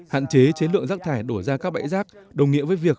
hạn chế chế lượng rác thải đổ ra các bãi rác đồng nghĩa với việc